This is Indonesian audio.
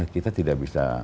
kita tidak bisa